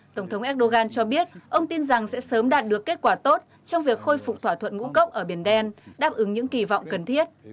tổng thống erdogan cho biết ông tin rằng sẽ sớm đạt được kết quả tốt trong việc khôi phục thỏa thuận ngũ cốc ở biển đen đáp ứng những kỳ vọng cần thiết